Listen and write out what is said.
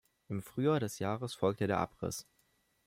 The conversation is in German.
Im Frühjahr des Jahres folgte der Abriss.